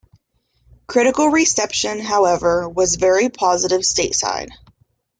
Critical reception, however was very positive stateside.